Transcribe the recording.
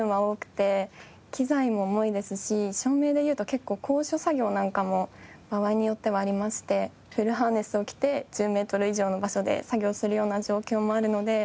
機材も重いですし照明で言うと結構高所作業なんかも場合によってはありましてフルハーネスを着て１０メートル以上の場所で作業するような状況もあるので。